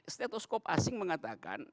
stetoskop asing mengatakan